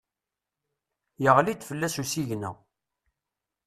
Yeɣli-d fell-as usigna.